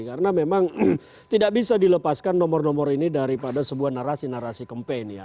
karena memang tidak bisa dilepaskan nomor nomor ini daripada sebuah narasi narasi campaign ya